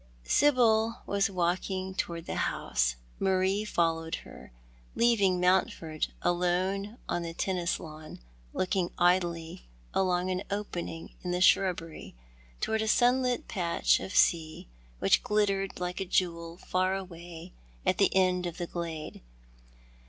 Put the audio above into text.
Sibyl was walking towards the house. Marie followed her, leaving Mountford alone on the tennis lawn, looking idly along an opening in the shrubbery towards a sunlit patch of sea which glittered like a jewel far away at the end of the glade.